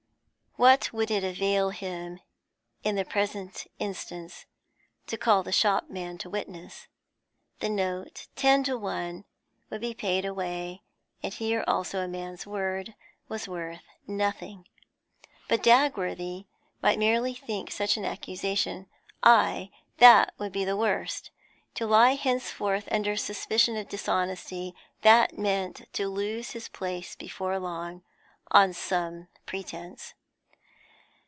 What would it avail him, in the present instance, to call the shopman to witness? The note, ten to one, would be paid away, and here also a man's word was worth nothing. But Dagworthy might merely think such an accusation: ay, that would be the worst. To lie henceforth under suspicion of dishonesty: that meant, to lose his place before long, on some pretence.